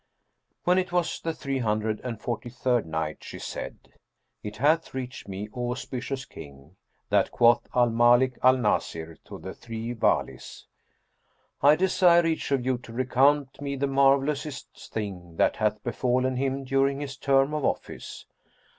When it was the Three Hundred and Forty third Night, She said, It hath reached me, O auspicious King, that quoth Al Malik al Nasir to the three Walis, "I desire each of you to recount me the marvellousest thing which hath befallen him during his term of office."